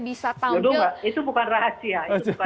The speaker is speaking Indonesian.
itu bukan rahasia